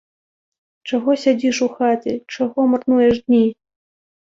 Чаго сядзіш у хаце, чаго марнуеш дні?